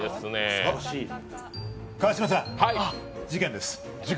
川島さん、事件です。